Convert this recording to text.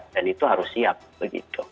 dan itu harus siap begitu